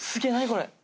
これ。